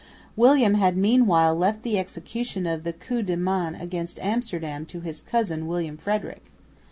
William had meanwhile left the execution of the coup de main against Amsterdam to his cousin William Frederick.